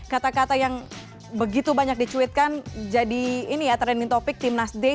kata kata yang begitu banyak dicuitkan jadi ini ya trending topic timnas d